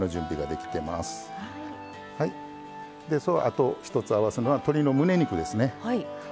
でそのあと一つ合わせるのは鶏のむね肉ですね。